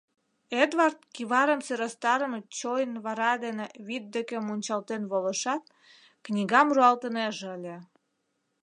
Эдвард кӱварым сӧрастарыме чойн вара дене вӱд деке мунчалтен волышат, книгам руалтынеже ыле.